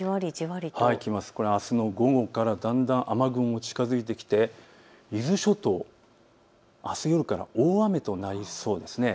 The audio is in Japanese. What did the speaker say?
あすの午後からだんだん雨雲が近づいてきて伊豆諸島、あす夜から大雨となりそうです。